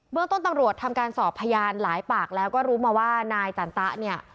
เมืองต้นตำรวจทำการสอบพยานหลายปากแล้วก็รู้มาว่านายจันตะเนี่ย